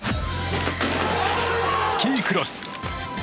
スキークロス。